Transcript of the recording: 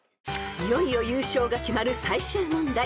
［いよいよ優勝が決まる最終問題］